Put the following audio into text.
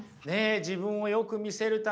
自分をよく見せるためのウソ